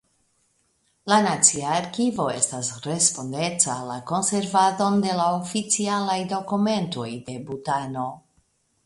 La nacia arkivo estas respondeca al la konservadon de la oficialaj dokumentoj de Butano.